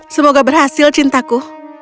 semoga berhasil cintaku